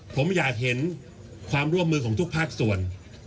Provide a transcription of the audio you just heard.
ผมอยากเห็นความร่วมมือของทุกภาคส่วน